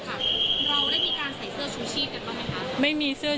พูดสิทธิ์ข่าวธรรมดาทีวีรายงานสดจากโรงพยาบาลพระนครศรีอยุธยาครับ